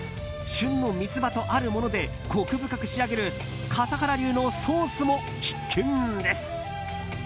旬の三つ葉とあるものでコク深く仕上げる笠原流のソースも必見です。